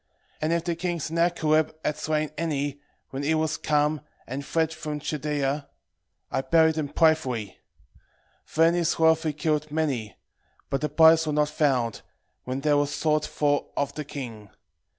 1:18 And if the king Sennacherib had slain any, when he was come, and fled from Judea, I buried them privily; for in his wrath he killed many; but the bodies were not found, when they were sought for of the king.